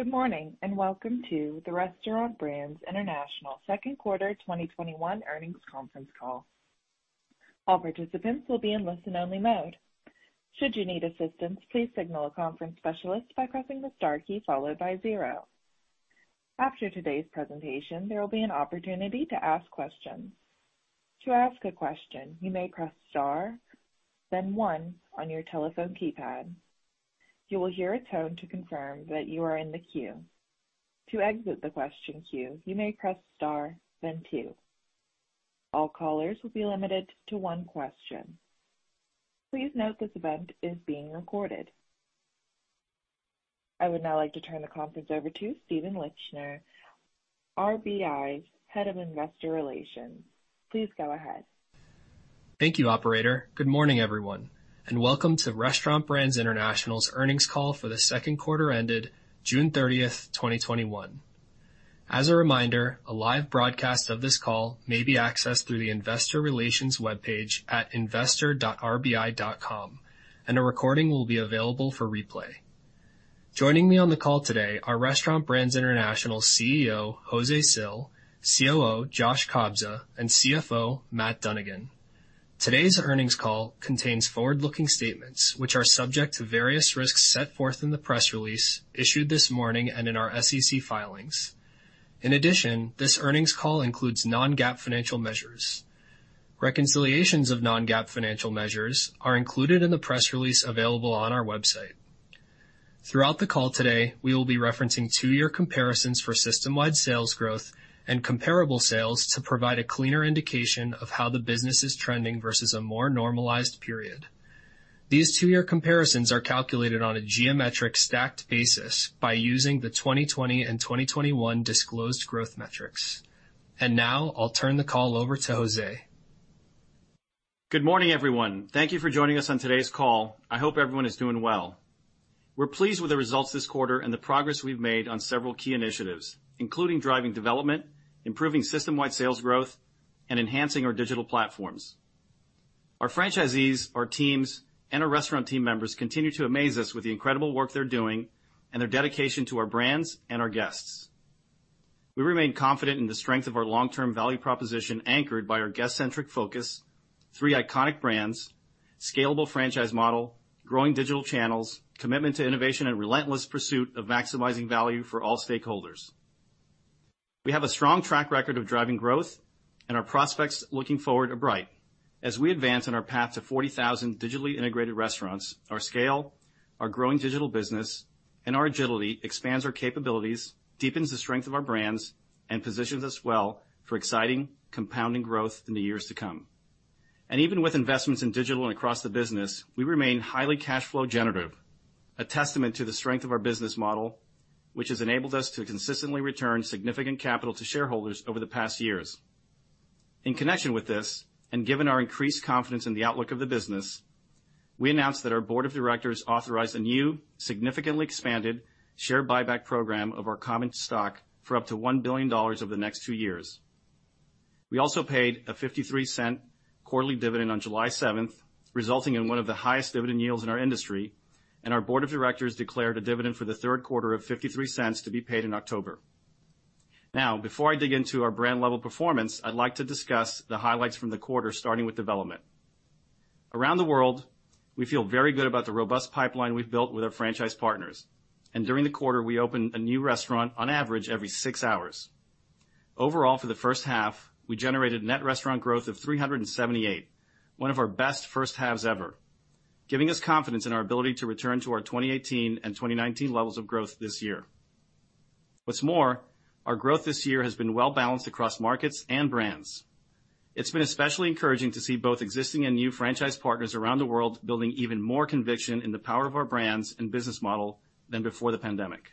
Good morning, and welcome to the Restaurant Brands International second quarter 2021 earnings conference call. All participants will be on listen-only mode. I would now like to turn the conference over to Stephen Lichtner, RBI's Head of Investor Relations. Please go ahead. Thank you, operator. Good morning, everyone, and welcome to Restaurant Brands International's earnings call for the second quarter ended June 30th, 2021. As a reminder, a live broadcast of this call may be accessed through the investor relations webpage at investor.rbi.com, and a recording will be available for replay. Joining me on the call today are Restaurant Brands International CEO, José Cil, COO, Joshua Kobza, and CFO, Matt Dunnigan. Today's earnings call contains forward-looking statements which are subject to various risks set forth in the press release issued this morning and in our SEC filings. In addition, this earnings call includes non-GAAP financial measures. Reconciliations of non-GAAP financial measures are included in the press release available on our website. Throughout the call today, we will be referencing two-year comparisons for system-wide sales growth and comparable sales to provide a cleaner indication of how the business is trending versus a more normalized period. These two-year comparisons are calculated on a geometric stacked basis by using the 2020 and 2021 disclosed growth metrics. Now I'll turn the call over to José. Good morning, everyone. Thank you for joining us on today's call. I hope everyone is doing well. We're pleased with the results this quarter and the progress we've made on several key initiatives, including driving development, improving system-wide sales growth, and enhancing our digital platforms. Our franchisees, our teams, and our restaurant team members continue to amaze us with the incredible work they're doing and their dedication to our brands and our guests. We remain confident in the strength of our long-term value proposition anchored by our guest-centric focus, three iconic brands, scalable franchise model, growing digital channels, commitment to innovation, and relentless pursuit of maximizing value for all stakeholders. We have a strong track record of driving growth, and our prospects looking forward are bright. As we advance on our path to 40,000 digitally integrated restaurants, our scale, our growing digital business, and our agility expands our capabilities, deepens the strength of our brands, and positions us well for exciting compounding growth in the years to come. Even with investments in digital and across the business, we remain highly cash flow generative, a testament to the strength of our business model, which has enabled us to consistently return significant capital to shareholders over the past years. In connection with this, and given our increased confidence in the outlook of the business, we announced that our board of directors authorized a new, significantly expanded share buyback program of our common stock for up to $1 billion over the next two years. We also paid a $0.53 quarterly dividend on July 7th, resulting in one of the highest dividend yields in our industry. Our board of directors declared a dividend for the third quarter of $0.53 to be paid in October. Now, before I dig into our brand level performance, I'd like to discuss the highlights from the quarter, starting with development. Around the world, we feel very good about the robust pipeline we've built with our franchise partners. During the quarter, we opened a new restaurant on average every six hours. Overall, for the first half, we generated net restaurant growth of 378, one of our best first halves ever, giving us confidence in our ability to return to our 2018 and 2019 levels of growth this year. What's more, our growth this year has been well-balanced across markets and brands. It's been especially encouraging to see both existing and new franchise partners around the world building even more conviction in the power of our brands and business model than before the pandemic.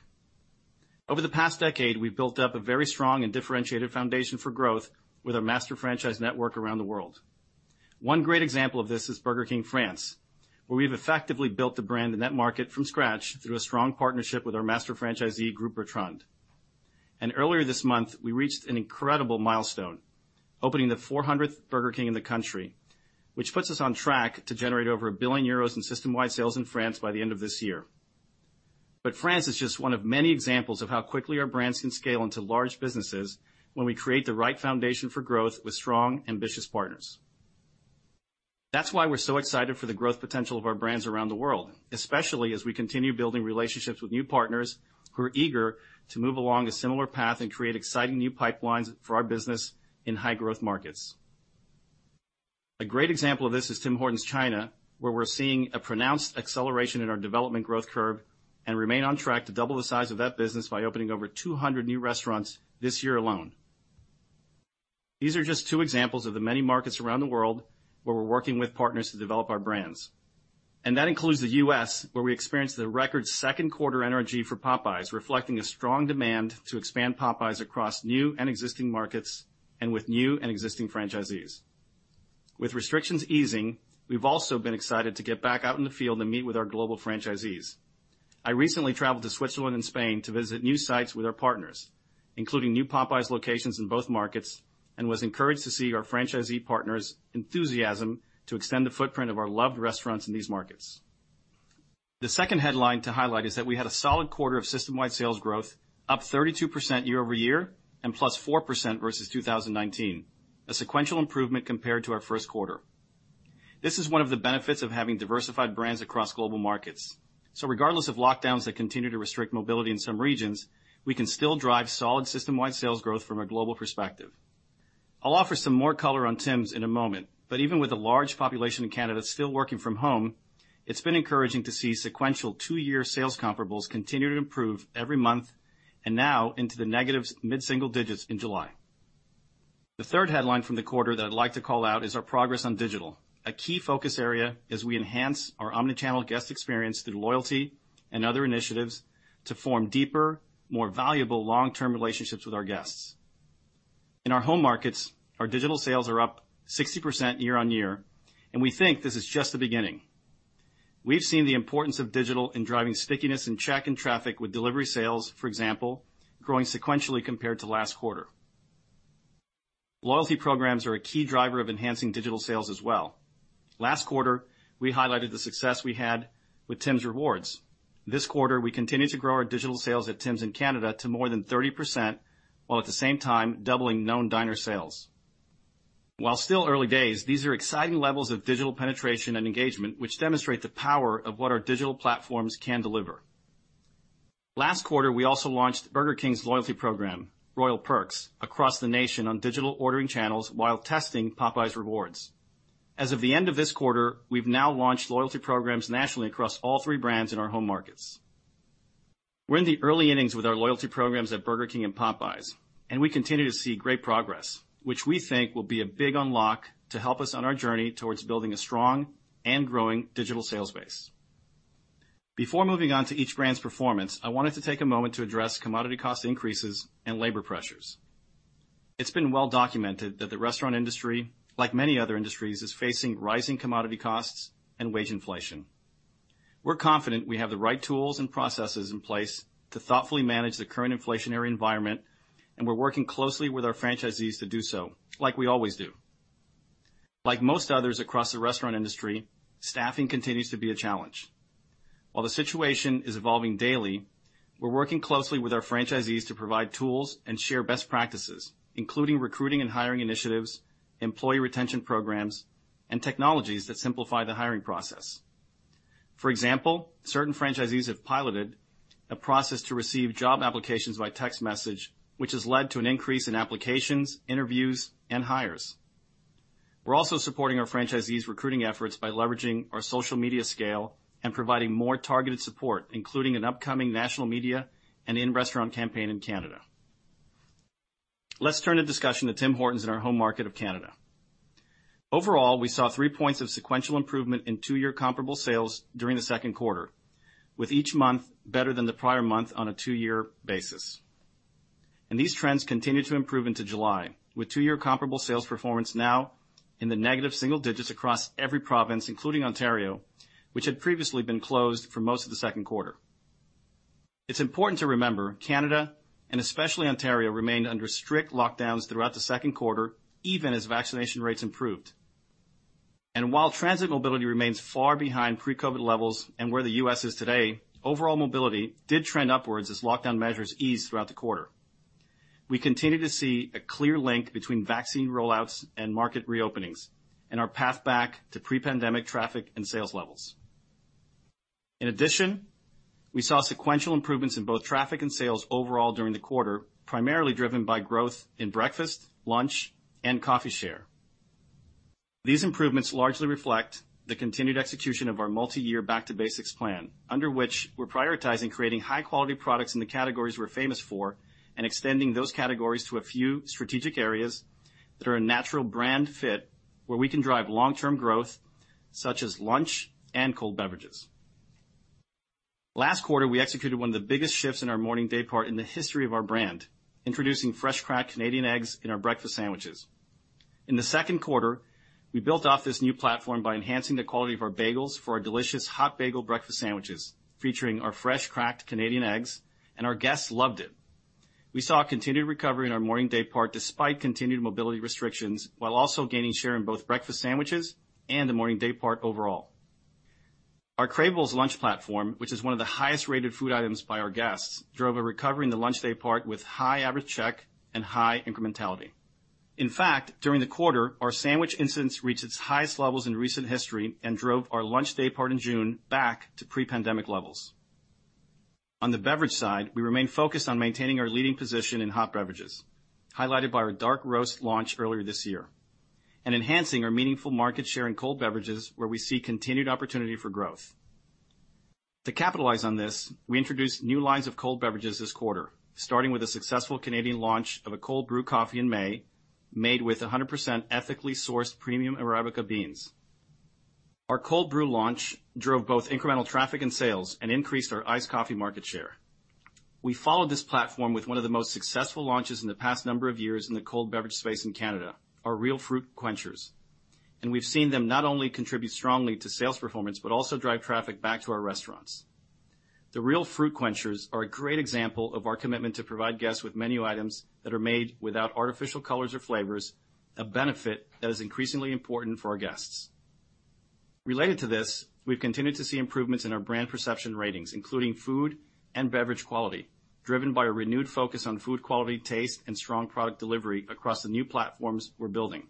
Over the past decade, we've built up a very strong and differentiated foundation for growth with our master franchise network around the world. One great example of this is Burger King France, where we've effectively built the brand in that market from scratch through a strong partnership with our master franchisee, Groupe Bertrand. Earlier this month, we reached an incredible milestone, opening the 400th Burger King in the country, which puts us on track to generate over 1 billion euros in system-wide sales in France by the end of this year. France is just one of many examples of how quickly our brands can scale into large businesses when we create the right foundation for growth with strong, ambitious partners. That's why we're so excited for the growth potential of our brands around the world, especially as we continue building relationships with new partners who are eager to move along a similar path and create exciting new pipelines for our business in high-growth markets. A great example of this is Tim Hortons China, where we're seeing a pronounced acceleration in our development growth curve and remain on track to double the size of that business by opening over 200 new restaurants this year alone. These are just two examples of the many markets around the world where we're working with partners to develop our brands. That includes the U.S., where we experienced the record second quarter energy for Popeyes, reflecting a strong demand to expand Popeyes across new and existing markets, and with new and existing franchisees. With restrictions easing, we've also been excited to get back out in the field and meet with our global franchisees. I recently traveled to Switzerland and Spain to visit new sites with our partners. Including new Popeyes locations in both markets, and was encouraged to see our franchisee partners' enthusiasm to extend the footprint of our loved restaurants in these markets. The second headline to highlight is that we had a solid quarter of system-wide sales growth, up 32% year-over-year and plus 4% versus 2019, a sequential improvement compared to our first quarter. This is one of the benefits of having diversified brands across global markets. Regardless of lockdowns that continue to restrict mobility in some regions, we can still drive solid system-wide sales growth from a global perspective. I'll offer some more color on Tims in a moment, but even with a large population in Canada still working from home, it's been encouraging to see sequential two-year sales comparables continue to improve every month and now into the negative mid-single digits in July. The third headline from the quarter that I'd like to call out is our progress on digital, a key focus area as we enhance our omni-channel guest experience through loyalty and other initiatives to form deeper, more valuable long-term relationships with our guests. In our home markets, our digital sales are up 60% year-on-year, and we think this is just the beginning. We've seen the importance of digital in driving stickiness and check and traffic with delivery sales, for example, growing sequentially compared to last quarter. Loyalty programs are a key driver of enhancing digital sales as well. Last quarter, we highlighted the success we had with Tims Rewards. This quarter, we continue to grow our digital sales at Tims in Canada to more than 30%, while at the same time doubling known diner sales. While still early days, these are exciting levels of digital penetration and engagement, which demonstrate the power of what our digital platforms can deliver. Last quarter, we also launched Burger King's loyalty program, Royal Perks, across the nation on digital ordering channels while testing Popeyes Rewards. As of the end of this quarter, we've now launched loyalty programs nationally across all three brands in our home markets. We're in the early innings with our loyalty programs at Burger King and Popeyes, and we continue to see great progress, which we think will be a big unlock to help us on our journey towards building a strong and growing digital sales base. Before moving on to each brand's performance, I wanted to take a moment to address commodity cost increases and labor pressures. It's been well documented that the restaurant industry, like many other industries, is facing rising commodity costs and wage inflation. We're confident we have the right tools and processes in place to thoughtfully manage the current inflationary environment, and we're working closely with our franchisees to do so, like we always do. Like most others across the restaurant industry, staffing continues to be a challenge. While the situation is evolving daily, we're working closely with our franchisees to provide tools and share best practices, including recruiting and hiring initiatives, employee retention programs, and technologies that simplify the hiring process. For example, certain franchisees have piloted a process to receive job applications by text message, which has led to an increase in applications, interviews, and hires. We're also supporting our franchisees' recruiting efforts by leveraging our social media scale and providing more targeted support, including an upcoming national media and in-restaurant campaign in Canada. Let's turn the discussion to Tim Hortons in our home market of Canada. Overall, we saw three points of sequential improvement in two-year comparable sales during the second quarter, with each month better than the prior month on a two-year basis. These trends continue to improve into July, with two-year comparable sales performance now in the negative single digits across every province, including Ontario, which had previously been closed for most of the second quarter. It is important to remember Canada, and especially Ontario, remained under strict lockdowns throughout the second quarter, even as vaccination rates improved. While transit mobility remains far behind pre-COVID levels and where the U.S. is today, overall mobility did trend upwards as lockdown measures eased throughout the quarter. We continue to see a clear link between vaccine rollouts and market reopenings and our path back to pre-pandemic traffic and sales levels. In addition, we saw sequential improvements in both traffic and sales overall during the quarter, primarily driven by growth in breakfast, lunch, and coffee share. These improvements largely reflect the continued execution of our multi-year Back to Basics plan, under which we're prioritizing creating high-quality products in the categories we're famous for and extending those categories to a few strategic areas that are a natural brand fit where we can drive long-term growth, such as lunch and cold beverages. Last quarter, we executed one of the biggest shifts in our morning daypart in the history of our brand, introducing fresh cracked Canadian eggs in our breakfast sandwiches. In the second quarter, we built off this new platform by enhancing the quality of our bagels for our delicious hot bagel breakfast sandwiches featuring our fresh cracked Canadian eggs, and our guests loved it. We saw a continued recovery in our morning daypart despite continued mobility restrictions, while also gaining share in both breakfast sandwiches and the morning daypart overall. Our Craveables lunch platform, which is one of the highest-rated food items by our guests, drove a recovery in the lunch daypart with high average check and high incrementality. In fact, during the quarter, our sandwich incidence reached its highest levels in recent history and drove our lunch daypart in June back to pre-pandemic levels. On the beverage side, we remain focused on maintaining our leading position in hot beverages, highlighted by our dark roast launch earlier this year, and enhancing our meaningful market share in cold beverages where we see continued opportunity for growth. To capitalize on this, we introduced new lines of cold beverages this quarter, starting with the successful Canadian launch of a cold brew coffee in May, made with 100% ethically sourced premium Arabica beans. Our cold brew launch drove both incremental traffic and sales and increased our iced coffee market share. We followed this platform with one of the most successful launches in the past number of years in the cold beverage space in Canada, our Real Fruit Quenchers. We've seen them not only contribute strongly to sales performance, but also drive traffic back to our restaurants. The Real Fruit Quenchers are a great example of our commitment to provide guests with menu items that are made without artificial colors or flavors, a benefit that is increasingly important for our guests. Related to this, we've continued to see improvements in our brand perception ratings, including food and beverage quality, driven by a renewed focus on food quality, taste, and strong product delivery across the new platforms we're building.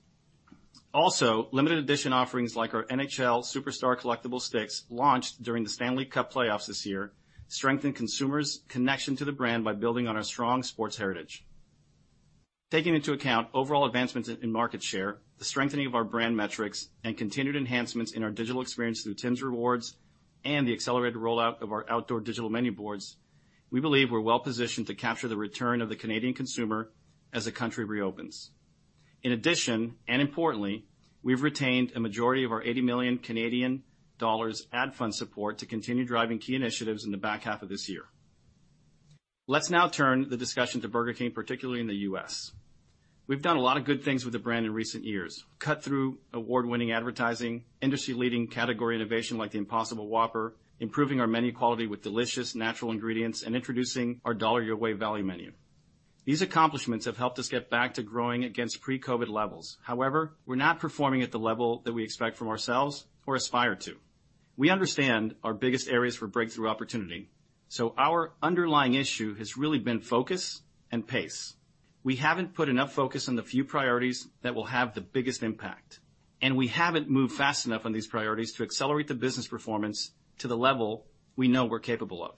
Limited edition offerings like our NHL Superstar Collectable Sticks, launched during the Stanley Cup playoffs this year, strengthen consumers' connection to the brand by building on our strong sports heritage. Taking into account overall advancements in market share, the strengthening of our brand metrics, and continued enhancements in our digital experience through Tims Rewards and the accelerated rollout of our outdoor digital menu boards, we believe we're well positioned to capture the return of the Canadian consumer as the country reopens. In addition, and importantly, we've retained a majority of our 80 million Canadian dollars ad fund support to continue driving key initiatives in the back half of this year. Let's now turn the discussion to Burger King, particularly in the U.S. We've done a lot of good things with the brand in recent years, cut through award-winning advertising, industry-leading category innovation like the Impossible Whopper, improving our menu quality with delicious natural ingredients, and introducing our $1 Your Way value menu. These accomplishments have helped us get back to growing against pre-COVID levels. However, we're not performing at the level that we expect from ourselves or aspire to. We understand our biggest areas for breakthrough opportunity, so our underlying issue has really been focus and pace. We haven't put enough focus on the few priorities that will have the biggest impact, and we haven't moved fast enough on these priorities to accelerate the business performance to the level we know we're capable of.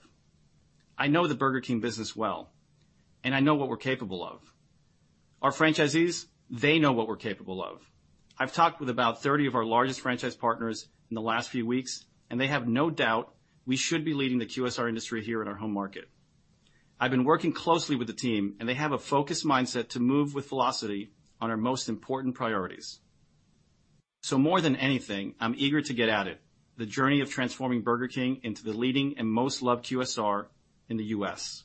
I know the Burger King business well, and I know what we're capable of. Our franchisees, they know what we're capable of. I've talked with about 30 of our largest franchise partners in the last few weeks, and they have no doubt we should be leading the QSR industry here in our home market. I've been working closely with the team, and they have a focused mindset to move with velocity on our most important priorities. More than anything, I'm eager to get at it, the journey of transforming Burger King into the leading and most loved QSR in the U.S.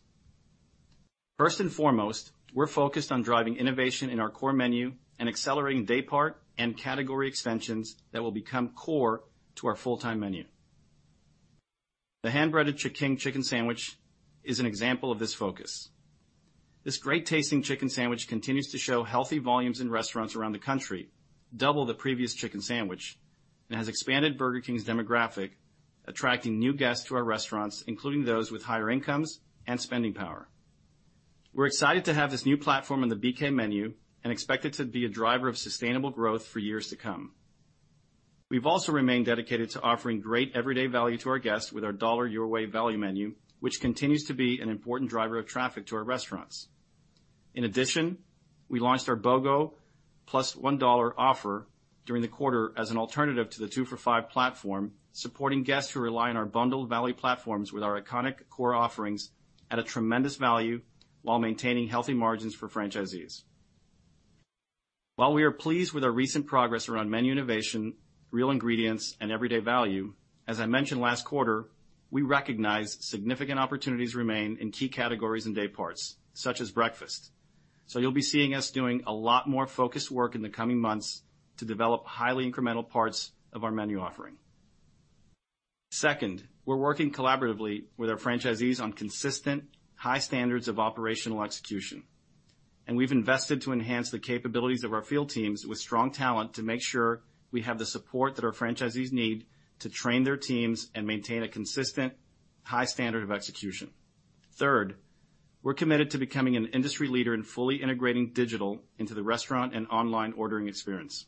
First and foremost, we're focused on driving innovation in our core menu and accelerating day part and category extensions that will become core to our full-time menu. The hand-breaded Ch'King chicken sandwich is an example of this focus. This great-tasting chicken sandwich continues to show healthy volumes in restaurants around the country, double the previous chicken sandwich, and has expanded Burger King's demographic, attracting new guests to our restaurants, including those with higher incomes and spending power. We're excited to have this new platform on the BK menu and expect it to be a driver of sustainable growth for years to come. We've also remained dedicated to offering great everyday value to our guests with our $1 Your Way value menu, which continues to be an important driver of traffic to our restaurants. In addition, we launched our BOGO plus $1 offer during the quarter as an alternative to the two for five platform, supporting guests who rely on our bundled value platforms with our iconic core offerings at a tremendous value while maintaining healthy margins for franchisees. While we are pleased with our recent progress around menu innovation, real ingredients, and everyday value, as I mentioned last quarter, we recognize significant opportunities remain in key categories and day parts, such as breakfast. You'll be seeing us doing a lot more focused work in the coming months to develop highly incremental parts of our menu offering. Second, we're working collaboratively with our franchisees on consistent, high standards of operational execution, and we've invested to enhance the capabilities of our field teams with strong talent to make sure we have the support that our franchisees need to train their teams and maintain a consistent high standard of execution. Third, we're committed to becoming an industry leader in fully integrating digital into the restaurant and online ordering experience.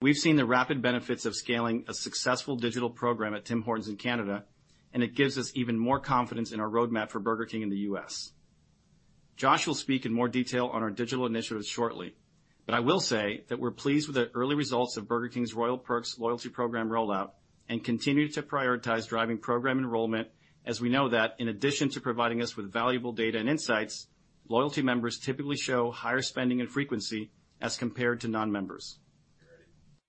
We've seen the rapid benefits of scaling a successful digital program at Tim Hortons in Canada, and it gives us even more confidence in our roadmap for Burger King in the U.S. Josh will speak in more detail on our digital initiatives shortly, but I will say that we're pleased with the early results of Burger King's Royal Perks loyalty program rollout and continue to prioritize driving program enrollment, as we know that in addition to providing us with valuable data and insights, loyalty members typically show higher spending and frequency as compared to non-members.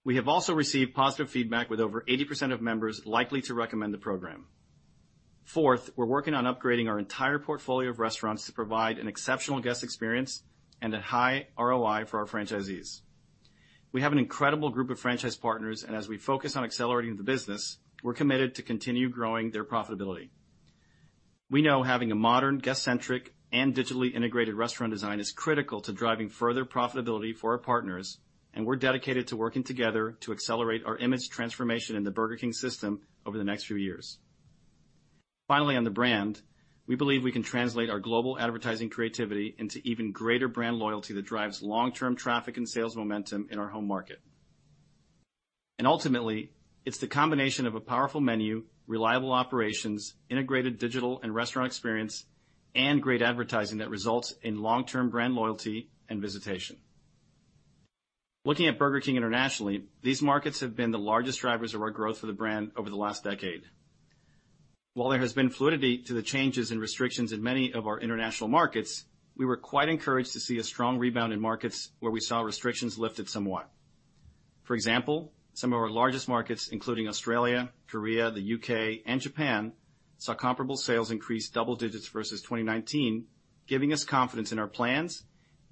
We have also received positive feedback with over 80% of members likely to recommend the program. Fourth, we're working on upgrading our entire portfolio of restaurants to provide an exceptional guest experience and a high ROI for our franchisees. We have an incredible group of franchise partners, and as we focus on accelerating the business, we're committed to continue growing their profitability. We know having a modern, guest-centric, and digitally integrated restaurant design is critical to driving further profitability for our partners, and we're dedicated to working together to accelerate our image transformation in the Burger King system over the next few years. Finally, on the brand, we believe we can translate our global advertising creativity into even greater brand loyalty that drives long-term traffic and sales momentum in our home market. Ultimately, it's the combination of a powerful menu, reliable operations, integrated digital and restaurant experience, and great advertising that results in long-term brand loyalty and visitation. Looking at Burger King internationally, these markets have been the largest drivers of our growth for the brand over the last decade. While there has been fluidity to the changes and restrictions in many of our international markets, we were quite encouraged to see a strong rebound in markets where we saw restrictions lifted somewhat. For example, some of our largest markets, including Australia, Korea, the U.K., and Japan saw comparable sales increase double digits versus 2019, giving us confidence in our plans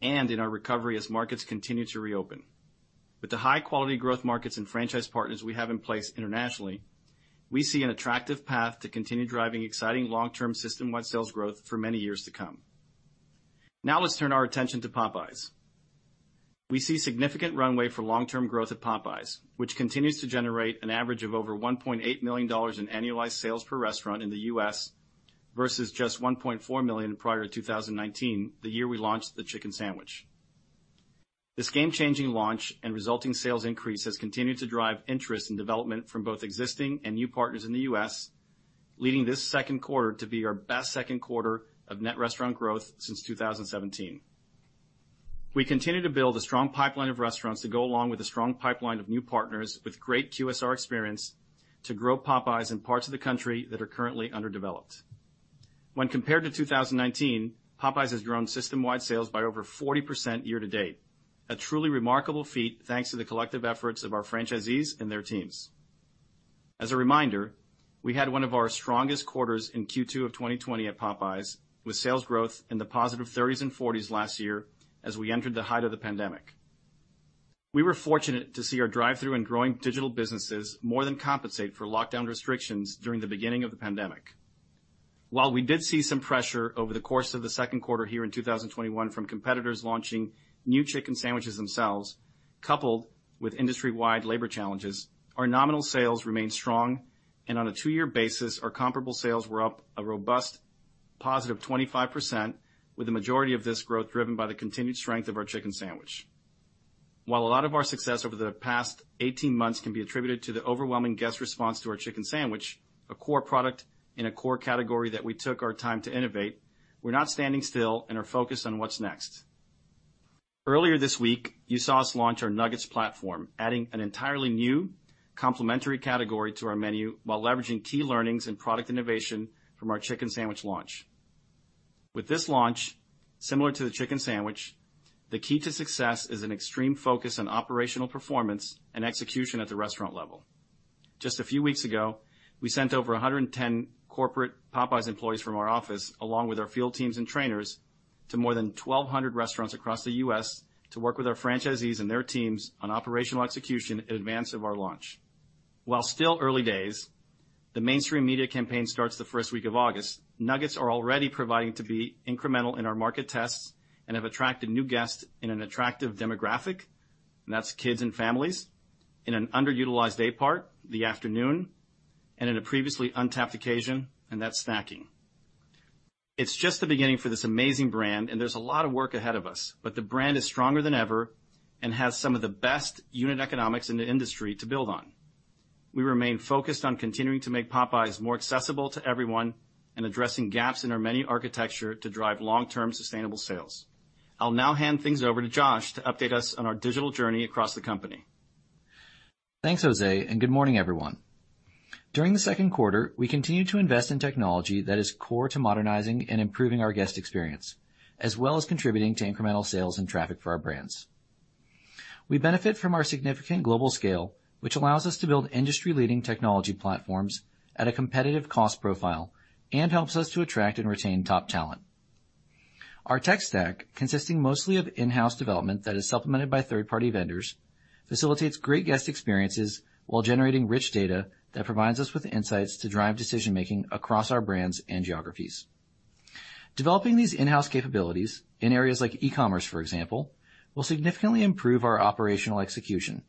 and in our recovery as markets continue to reopen. With the high-quality growth markets and franchise partners we have in place internationally, we see an attractive path to continue driving exciting long-term system-wide sales growth for many years to come. Now let's turn our attention to Popeyes. We see significant runway for long-term growth at Popeyes, which continues to generate an average of over $1.8 million in annualized sales per restaurant in the U.S. versus just $1.4 million prior to 2019, the year we launched the Ch'King sandwich. This game-changing launch and resulting sales increase has continued to drive interest and development from both existing and new partners in the U.S., leading this second quarter to be our best second quarter of net restaurant growth since 2017. We continue to build a strong pipeline of restaurants to go along with a strong pipeline of new partners with great QSR experience to grow Popeyes in parts of the country that are currently underdeveloped. When compared to 2019, Popeyes has grown system-wide sales by over 40% year to date. A truly remarkable feat, thanks to the collective efforts of our franchisees and their teams. As a reminder, we had one of our strongest quarters in Q2 of 2020 at Popeyes, with sales growth in the positive 30s and 40s last year as we entered the height of the pandemic. We were fortunate to see our drive-thru and growing digital businesses more than compensate for lockdown restrictions during the beginning of the pandemic. While we did see some pressure over the course of the second quarter here in 2021 from competitors launching new chicken sandwiches themselves, coupled with industry-wide labor challenges, our nominal sales remained strong, and on a two-year basis, our comparable sales were up a robust +25%, with the majority of this growth driven by the continued strength of our chicken sandwich. While a lot of our success over the past 18 months can be attributed to the overwhelming guest response to our chicken sandwich, a core product in a core category that we took our time to innovate, we're not standing still and are focused on what's next. Earlier this week, you saw us launch our nuggets platform, adding an entirely new complementary category to our menu while leveraging key learnings and product innovation from our Ch'King sandwich launch. With this launch, similar to the Ch'King sandwich, the key to success is an extreme focus on operational performance and execution at the restaurant level. Just a few weeks ago, we sent over 110 corporate Popeyes employees from our office, along with our field teams and trainers, to more than 1,200 restaurants across the U.S. to work with our franchisees and their teams on operational execution in advance of our launch. While still early days, the mainstream media campaign starts the first week of August. Nuggets are already proving to be incremental in our market tests and have attracted new guests in an attractive demographic, and that's kids and families, in an underutilized day part, the afternoon, and in a previously untapped occasion, and that's snacking. It's just the beginning for this amazing brand, and there's a lot of work ahead of us, but the brand is stronger than ever and has some of the best unit economics in the industry to build on. We remain focused on continuing to make Popeyes more accessible to everyone and addressing gaps in our menu architecture to drive long-term sustainable sales. I'll now hand things over to Josh to update us on our digital journey across the company. Thanks, José. Good morning, everyone. During the second quarter, we continued to invest in technology that is core to modernizing and improving our guest experience, as well as contributing to incremental sales and traffic for our brands. We benefit from our significant global scale, which allows us to build industry-leading technology platforms at a competitive cost profile and helps us to attract and retain top talent. Our tech stack, consisting mostly of in-house development that is supplemented by third-party vendors, facilitates great guest experiences while generating rich data that provides us with insights to drive decision-making across our brands and geographies. Developing these in-house capabilities in areas like e-commerce, for example, will significantly improve our operational execution,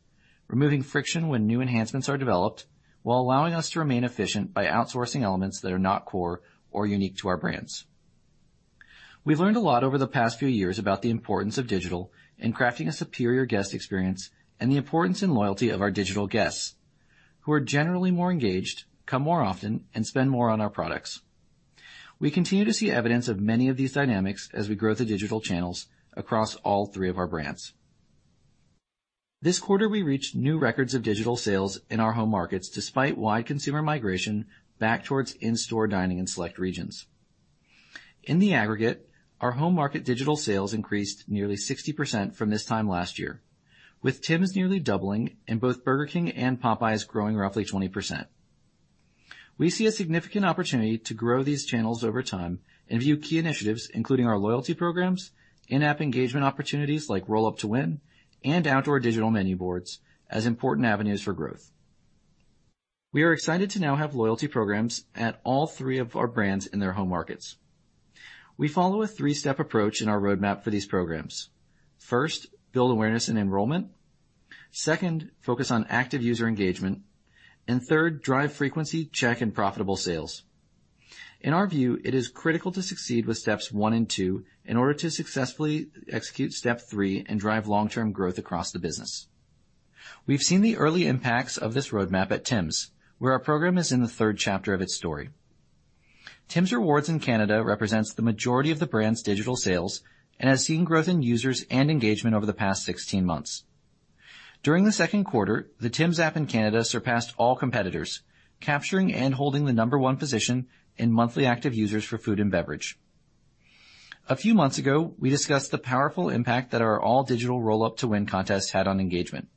removing friction when new enhancements are developed while allowing us to remain efficient by outsourcing elements that are not core or unique to our brands. We've learned a lot over the past few years about the importance of digital in crafting a superior guest experience and the importance and loyalty of our digital guests, who are generally more engaged, come more often, and spend more on our products. We continue to see evidence of many of these dynamics as we grow the digital channels across all three of our brands. This quarter, we reached new records of digital sales in our home markets, despite wide consumer migration back towards in-store dining in select regions. In the aggregate, our home market digital sales increased nearly 60% from this time last year, with Tim's nearly doubling and both Burger King and Popeyes growing roughly 20%. We see a significant opportunity to grow these channels over time and view key initiatives, including our loyalty programs, in-app engagement opportunities like Roll Up to Win, and outdoor digital menu boards as important avenues for growth. We are excited to now have loyalty programs at all three of our brands in their home markets. We follow a three-step approach in our roadmap for these programs. First, build awareness and enrollment. Second, focus on active user engagement. Third, drive frequency, check, and profitable sales. In our view, it is critical to succeed with steps one and two in order to successfully execute step three and drive long-term growth across the business. We've seen the early impacts of this roadmap at Tim's, where our program is in the third chapter of its story. Tims Rewards in Canada represents the majority of the brand's digital sales and has seen growth in users and engagement over the past 16 months. During the second quarter, the Tims App in Canada surpassed all competitors, capturing and holding the number one position in monthly active users for food and beverage. A few months ago, we discussed the powerful impact that our all digital Roll Up To Win contest had on engagement.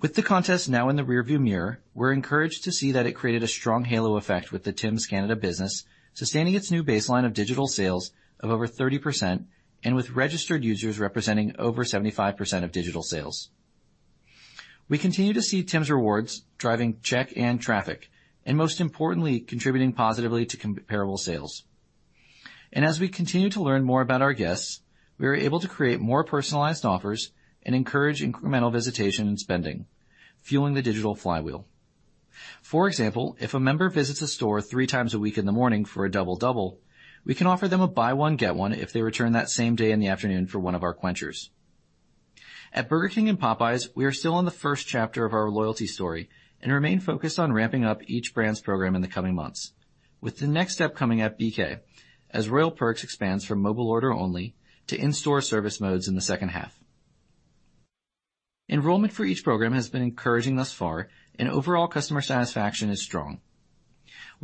With the contest now in the rearview mirror, we're encouraged to see that it created a strong halo effect with the Tims Canada business, sustaining its new baseline of digital sales of over 30%, and with registered users representing over 75% of digital sales. We continue to see Tims Rewards driving check and traffic, and most importantly, contributing positively to comparable sales. As we continue to learn more about our guests, we are able to create more personalized offers and encourage incremental visitation and spending, fueling the digital flywheel. For example, if a member visits a store three times a week in the morning for a Double-Double, we can offer them a buy one get one if they return that same day in the afternoon for one of our quenchers. At Burger King and Popeyes, we are still in the first chapter of our loyalty story and remain focused on ramping up each brand's program in the coming months, with the next step coming at BK as Royal Perks expands from mobile order only to in-store service modes in the second half. Enrollment for each program has been encouraging thus far, and overall customer satisfaction is strong.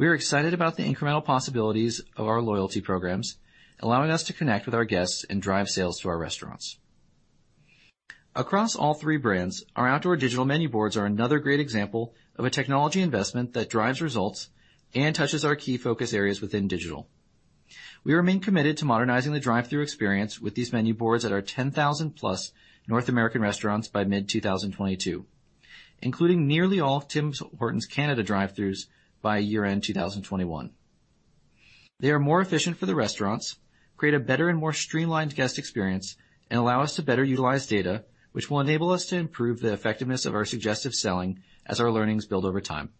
We are excited about the incremental possibilities of our loyalty programs, allowing us to connect with our guests and drive sales to our restaurants. Across all three brands, our outdoor digital menu boards are another great example of a technology investment that drives results and touches our key focus areas within digital. We remain committed to modernizing the drive-through experience with these menu boards at our 10,000 + North American restaurants by mid-2022, including nearly all Tim Hortons Canada drive-throughs by year-end 2021. They are more efficient for the restaurants, create a better and more streamlined guest experience, and allow us to better utilize data, which will enable us to improve the effectiveness of our suggestive selling as our learnings build over time.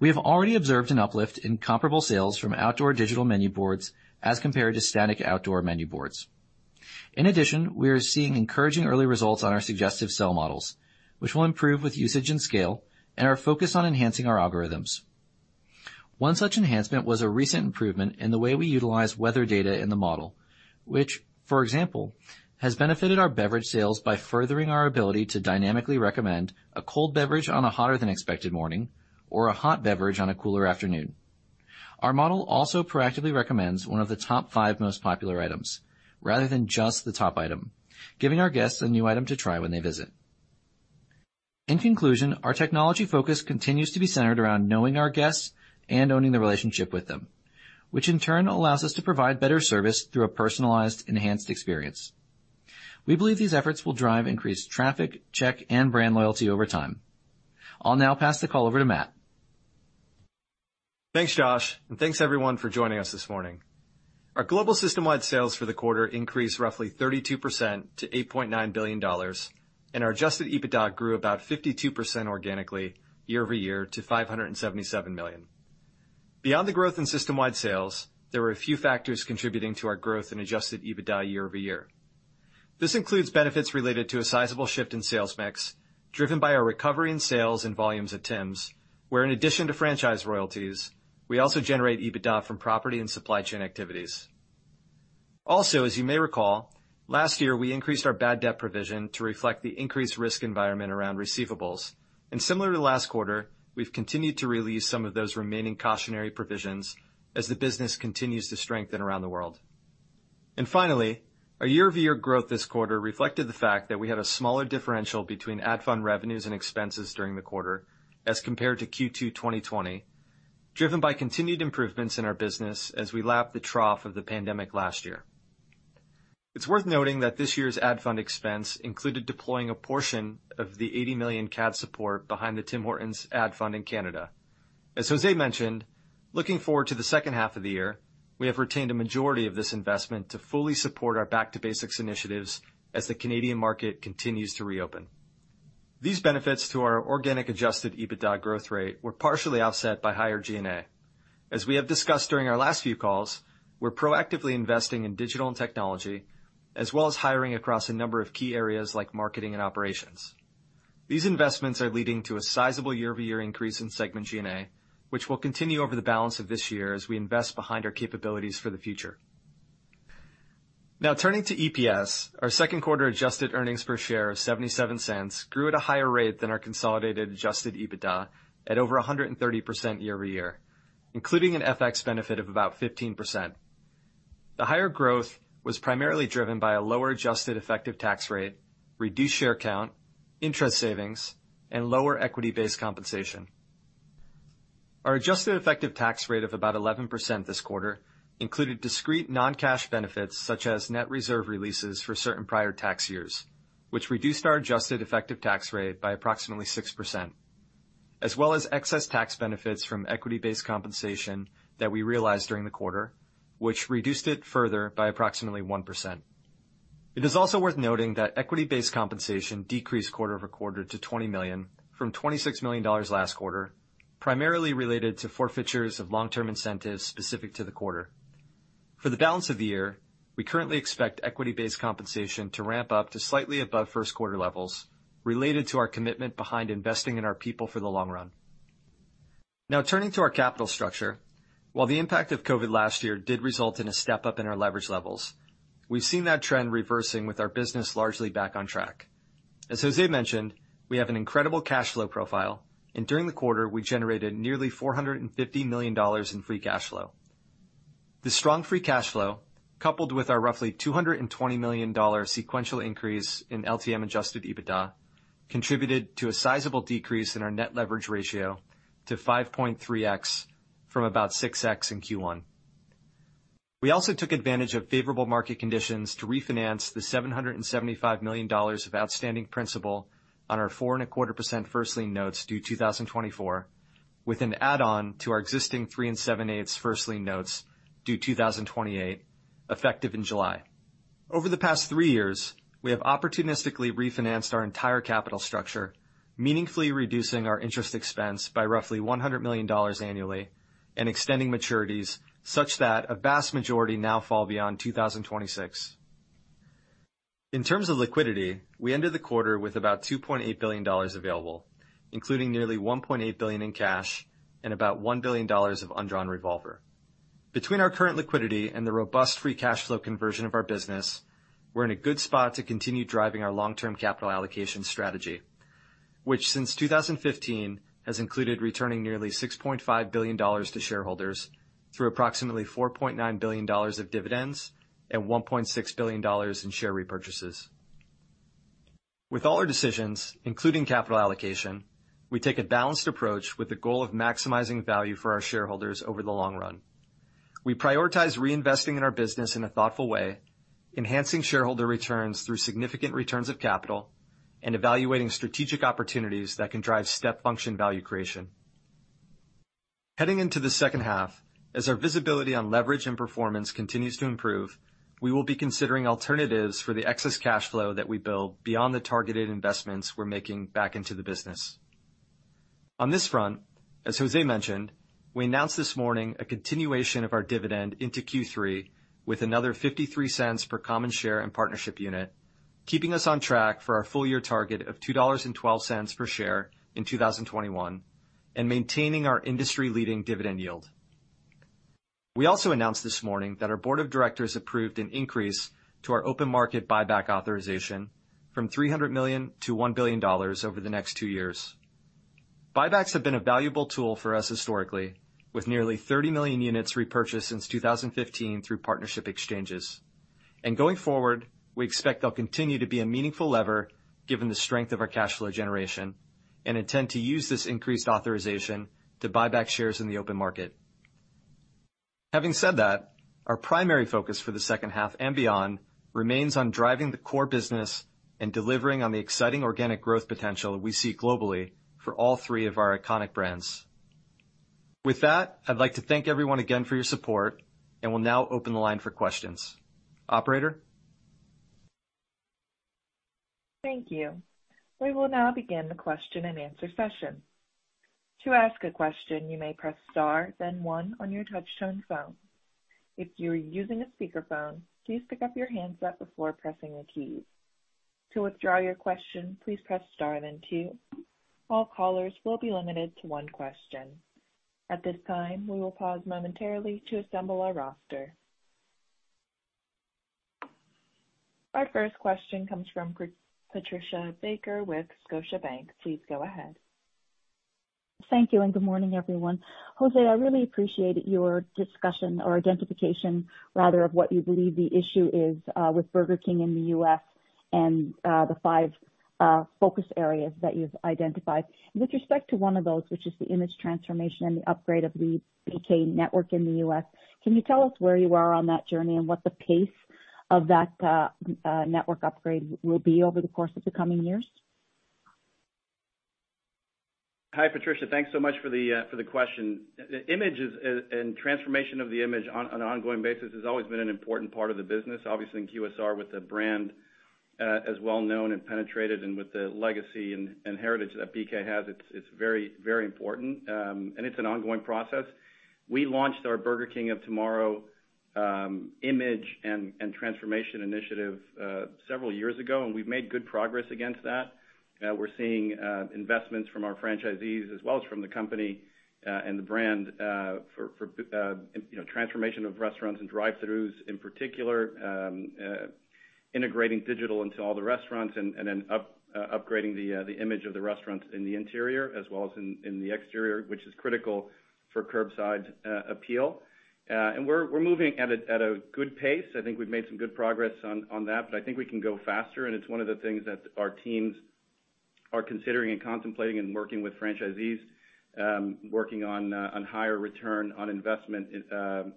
We have already observed an uplift in comparable sales from outdoor digital menu boards as compared to static outdoor menu boards. In addition, we are seeing encouraging early results on our suggestive sell models, which will improve with usage and scale and our focus on enhancing our algorithms. One such enhancement was a recent improvement in the way we utilize weather data in the model, which, for example, has benefited our beverage sales by furthering our ability to dynamically recommend a cold beverage on a hotter than expected morning or a hot beverage on a cooler afternoon. Our model also proactively recommends one of the top five most popular items rather than just the top item, giving our guests a new item to try when they visit. In conclusion, our technology focus continues to be centered around knowing our guests and owning the relationship with them, which in turn allows us to provide better service through a personalized, enhanced experience. We believe these efforts will drive increased traffic check and brand loyalty over time. I will now pass the call over to Matt. Thanks, Josh, and thanks everyone for joining us this morning. Our global system-wide sales for the quarter increased roughly 32% to $8.9 billion, and our adjusted EBITDA grew about 52% organically year-over-year to $577 million. Beyond the growth in system-wide sales, there were a few factors contributing to our growth in adjusted EBITDA year-over-year. This includes benefits related to a sizable shift in sales mix, driven by our recovery in sales and volumes at Tims, where, in addition to franchise royalties, we also generate EBITDA from property and supply chain activities. Also, as you may recall, last year, we increased our bad debt provision to reflect the increased risk environment around receivables. Similar to last quarter, we've continued to release some of those remaining cautionary provisions as the business continues to strengthen around the world. Finally, our year-over-year growth this quarter reflected the fact that we had a smaller differential between ad fund revenues and expenses during the quarter as compared to Q2 2020, driven by continued improvements in our business as we lap the trough of the pandemic last year. It is worth noting that this year's ad fund expense included deploying a portion of the 80 million CAD support behind the Tim Hortons ad fund in Canada. As José mentioned, looking forward to the second half of the year, we have retained a majority of this investment to fully support our Back to Basics initiatives as the Canadian market continues to reopen. These benefits to our organic adjusted EBITDA growth rate were partially offset by higher G&A. As we have discussed during our last few calls, we are proactively investing in digital and technology, as well as hiring across a number of key areas like marketing and operations. These investments are leading to a sizable year-over-year increase in segment G&A, which will continue over the balance of this year as we invest behind our capabilities for the future. Turning to EPS, our second quarter adjusted earnings per share of $0.77 grew at a higher rate than our consolidated adjusted EBITDA at over 130% year-over-year, including an FX benefit of about 15%. The higher growth was primarily driven by a lower adjusted effective tax rate, reduced share count, interest savings, and lower equity-based compensation. Our adjusted effective tax rate of about 11% this quarter included discrete non-cash benefits such as net reserve releases for certain prior tax years, which reduced our adjusted effective tax rate by approximately 6%, as well as excess tax benefits from equity-based compensation that we realized during the quarter, which reduced it further by approximately 1%. It is also worth noting that equity-based compensation decreased quarter-over-quarter to $20 million from $26 million last quarter, primarily related to forfeitures of long-term incentives specific to the quarter. For the balance of the year, we currently expect equity-based compensation to ramp up to slightly above first quarter levels related to our commitment behind investing in our people for the long run. Turning to our capital structure. While the impact of COVID last year did result in a step up in our leverage levels, we've seen that trend reversing with our business largely back on track. As José mentioned, we have an incredible cash flow profile, and during the quarter, we generated nearly $450 million in free cash flow. The strong free cash flow, coupled with our roughly $220 million sequential increase in LTM adjusted EBITDA, contributed to a sizable decrease in our net leverage ratio to 5.3 x from about 6 x in Q1. We also took advantage of favorable market conditions to refinance the $775 million of outstanding principal on our 4.25% first lien notes due 2024, with an add-on to our existing 3.875% first lien notes due 2028, effective in July. Over the past three years, we have opportunistically refinanced our entire capital structure, meaningfully reducing our interest expense by roughly $100 million annually and extending maturities such that a vast majority now fall beyond 2026. In terms of liquidity, we ended the quarter with about $2.8 billion available, including nearly $1.8 billion in cash and about $1 billion of undrawn revolver. Between our current liquidity and the robust free cash flow conversion of our business, we are in a good spot to continue driving our long-term capital allocation strategy, which since 2015 has included returning nearly $6.5 billion to shareholders through approximately $4.9 billion of dividends and $1.6 billion in share repurchases. With all our decisions, including capital allocation, we take a balanced approach with the goal of maximizing value for our shareholders over the long run. We prioritize reinvesting in our business in a thoughtful way, enhancing shareholder returns through significant returns of capital, and evaluating strategic opportunities that can drive step function value creation. Heading into the second half, as our visibility on leverage and performance continues to improve, we will be considering alternatives for the excess cash flow that we build beyond the targeted investments we are making back into the business. On this front, as José mentioned, we announced this morning a continuation of our dividend into Q3 with another $0.53 per common share and partnership unit, keeping us on track for our full-year target of $2.12 per share in 2021 and maintaining our industry-leading dividend yield. We also announced this morning that our board of directors approved an increase to our open market buyback authorization from $300 million-$1 billion over the next two years. Buybacks have been a valuable tool for us historically, with nearly 30 million units repurchased since 2015 through partnership exchanges. Going forward, we expect they'll continue to be a meaningful lever given the strength of our cash flow generation and intend to use this increased authorization to buy back shares in the open market. Having said that, our primary focus for the second half and beyond remains on driving the core business and delivering on the exciting organic growth potential we see globally for all three of our iconic brands. With that, I'd like to thank everyone again for your support and will now open the line for questions. Operator? Thank you. We will now begin the question and answer session. Our first question comes from Patricia Baker with Scotiabank. Please go ahead. Thank you, and good morning, everyone. José, I really appreciated your discussion or identification, rather, of what you believe the issue is with Burger King in the U.S. and the five focus areas that you've identified. With respect to one of those, which is the image transformation and the upgrade of the BK network in the U.S., can you tell us where you are on that journey and what the pace of that network upgrade will be over the course of the coming years? Hi, Patricia. Thanks so much for the question. Image and transformation of the image on an ongoing basis has always been an important part of the business. Obviously, in QSR with a brand as well-known and penetrated and with the legacy and heritage that BK has, it's very important, and it's an ongoing process. We launched our Burger King of Tomorrow image and transformation initiative several years ago, and we've made good progress against that. We're seeing investments from our franchisees as well as from the company and the brand for transformation of restaurants and drive-throughs in particular, integrating digital into all the restaurants and then upgrading the image of the restaurants in the interior as well as in the exterior, which is critical for curbside appeal. We're moving at a good pace. I think we've made some good progress on that. I think we can go faster. It's one of the things that our teams are considering and contemplating and working with franchisees, working on higher ROI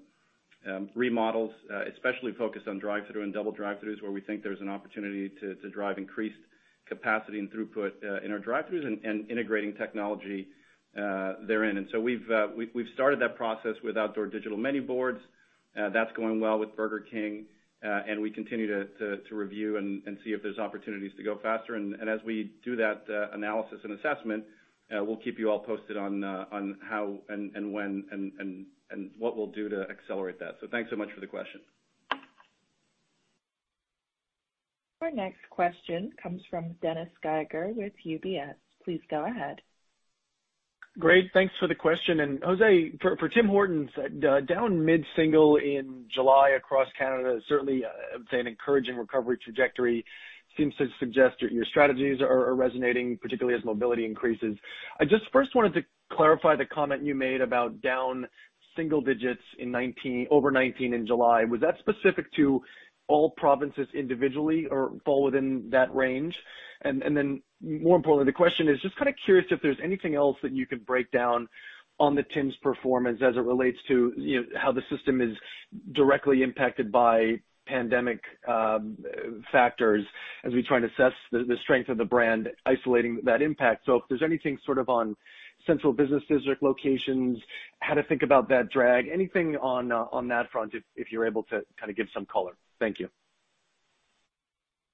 remodels, especially focused on drive-through and double drive-throughs, where we think there's an opportunity to drive increased capacity and throughput in our drive-throughs and integrating technology therein. We've started that process with outdoor digital menu boards. That's going well with Burger King. We continue to review and see if there's opportunities to go faster. As we do that analysis and assessment, we'll keep you all posted on how and when and what we'll do to accelerate that. Thanks so much for the question. Our next question comes from Dennis Geiger with UBS. Please go ahead. Thanks for the question. José, for Tim Hortons, down mid-single in July across Canada is certainly, I would say, an encouraging recovery trajectory. Seems to suggest your strategies are resonating, particularly as mobility increases. I just first wanted to clarify the comment you made about down single digits over 2019 in July. Was that specific to all provinces individually or fall within that range? More importantly, the question is just kind of curious if there's anything else that you could break down on the Tim's performance as it relates to how the system is directly impacted by pandemic factors as we try and assess the strength of the brand isolating that impact. If there's anything sort of on central business district locations, how to think about that drag, anything on that front, if you're able to kind of give some color. Thank you.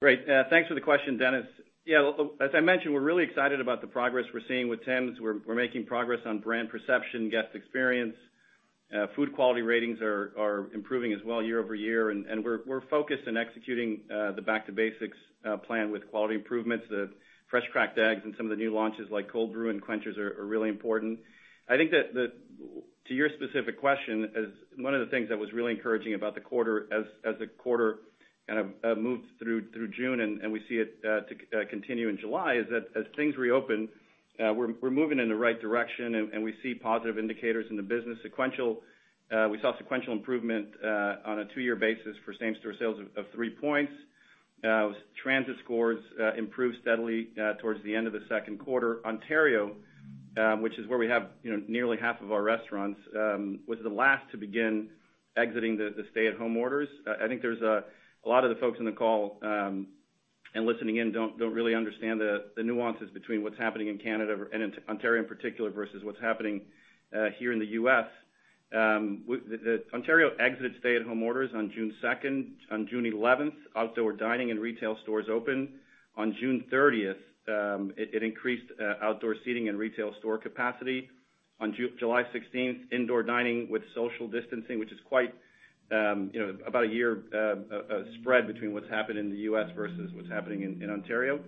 Great. Thanks for the question, Dennis. Yeah. As I mentioned, we're really excited about the progress we're seeing with Tims. We're making progress on brand perception, guest experience. Food quality ratings are improving as well year-over-year. We're focused in executing the Back to Basics plan with quality improvements. The fresh-cracked eggs and some of the new launches like cold brew and quenchers are really important. I think that to your specific question, one of the things that was really encouraging about the quarter as the quarter kind of moved through June and we see it continue in July, is that as things reopen, we're moving in the right direction. We see positive indicators in the business. We saw sequential improvement on a two-year basis for same store sales of three points. Transit scores improved steadily towards the end of the second quarter. Ontario, which is where we have nearly half of our restaurants, was the last to begin exiting the stay-at-home orders. I think there's a lot of the folks on the call, and listening in don't really understand the nuances between what's happening in Canada and in Ontario in particular, versus what's happening here in the U.S. Ontario exited stay-at-home orders on June 2nd. On June 11th, outdoor dining and retail stores opened. On June 30th, it increased outdoor seating and retail store capacity. On July 16th, indoor dining with social distancing, which is quite about a year spread between what's happened in the U.S. versus what's happening in Ontario.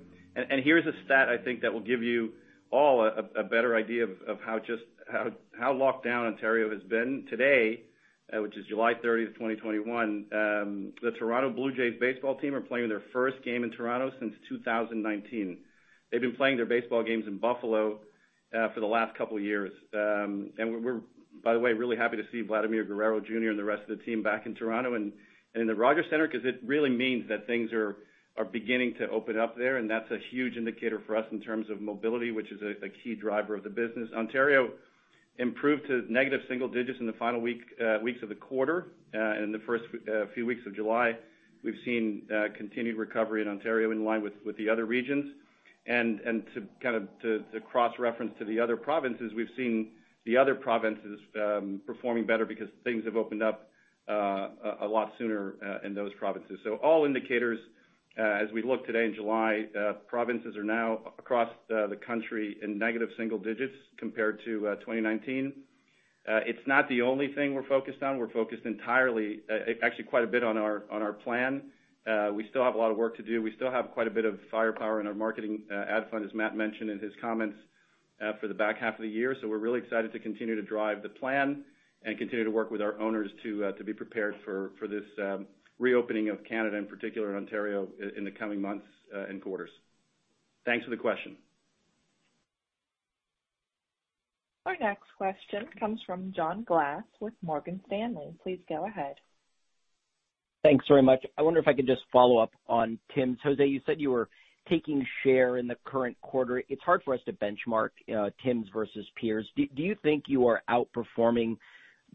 Here's a stat I think that will give you all a better idea of how locked down Ontario has been. Today, which is July 30th, 2021, the Toronto Blue Jays baseball team are playing their first game in Toronto since 2019. They've been playing their baseball games in Buffalo for the last couple of years. We're, by the way, really happy to see Vladimir Guerrero Jr. and the rest of the team back in Toronto and in the Rogers Centre, because it really means that things are beginning to open up there, and that's a huge indicator for us in terms of mobility, which is a key driver of the business. Ontario improved to negative single digits in the final weeks of the quarter. In the first few weeks of July, we've seen continued recovery in Ontario in line with the other regions. To kind of to cross-reference to the other provinces, we've seen the other provinces performing better because things have opened up a lot sooner in those provinces. All indicators, as we look today in July, provinces are now across the country in negative single digits compared to 2019. It's not the only thing we're focused on. We're focused entirely, actually quite a bit on our plan. We still have a lot of work to do. We still have quite a bit of firepower in our marketing ad fund, as Matt mentioned in his comments, for the back half of the year. We're really excited to continue to drive the plan and continue to work with our owners to be prepared for this reopening of Canada, in particular in Ontario in the coming months and quarters. Thanks for the question. Our next question comes from John Glass with Morgan Stanley. Please go ahead. Thanks very much. I wonder if I could just follow up on Tim. José, you said you were taking share in the current quarter. It's hard for us to benchmark Tim's versus peers. Do you think you are outperforming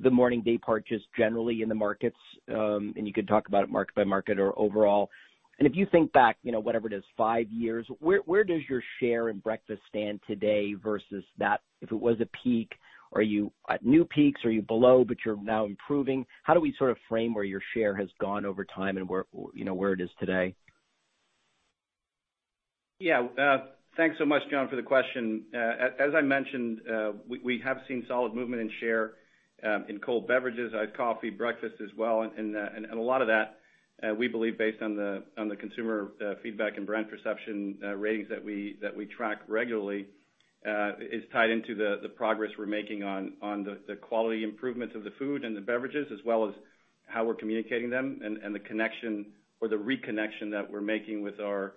the morning day purchase generally in the markets? You could talk about it market by market or overall. If you think back, whatever it is, five years, where does your share in breakfast stand today versus that if it was a peak? Are you at new peaks? Are you below, but you're now improving? How do we sort of frame where your share has gone over time and where it is today? Yeah. Thanks so much, John, for the question. As I mentioned, we have seen solid movement in share in cold beverages, coffee, breakfast as well, and a lot of that, we believe based on the consumer feedback and brand perception ratings that we track regularly, is tied into the progress we're making on the quality improvements of the food and the beverages, as well as how we're communicating them and the connection or the reconnection that we're making with our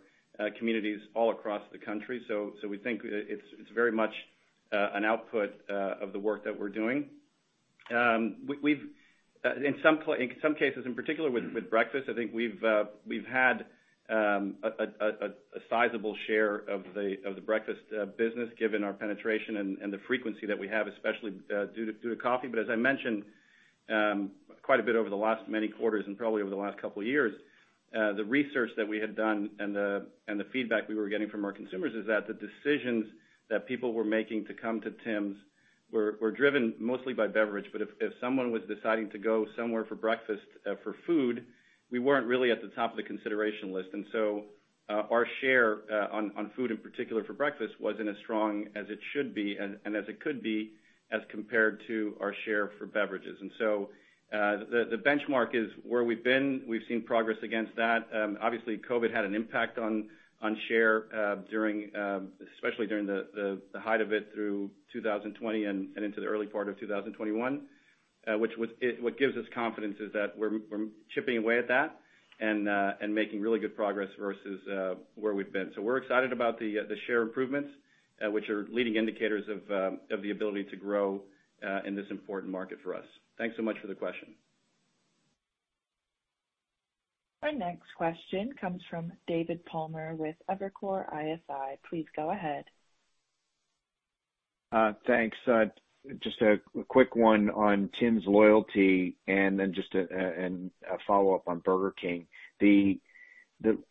communities all across the country. We think it's very much an output of the work that we're doing. In some cases, in particular with breakfast, I think we've had a sizable share of the breakfast business given our penetration and the frequency that we have especially due to coffee. As I mentioned quite a bit over the last many quarters and probably over the last couple of years, the research that we had done and the feedback we were getting from our consumers is that the decisions that people were making to come to Tims were driven mostly by beverage. If someone was deciding to go somewhere for breakfast for food, we weren't really at the top of the consideration list. Our share on food in particular for breakfast wasn't as strong as it should be and as it could be as compared to our share for beverages. The benchmark is where we've been. We've seen progress against that. Obviously, COVID had an impact on share especially during the height of it through 2020 and into the early part of 2021. What gives us confidence is that we're chipping away at that and making really good progress versus where we've been. We're excited about the share improvements, which are leading indicators of the ability to grow in this important market for us. Thanks so much for the question. Our next question comes from David Palmer with Evercore ISI. Please go ahead. Thanks. Just a quick one on Tims Rewards, and then just a follow-up on Burger King. The